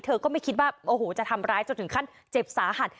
ก็ไม่คิดว่าโอ้โหจะทำร้ายจนถึงขั้นเจ็บสาหัส